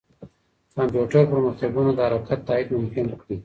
کمپیوټر پرمختګونه د حرکت تایید ممکن کړي.